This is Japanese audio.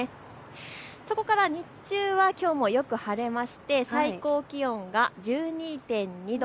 そこから日中はよく晴れまして最高気温が１２．２度。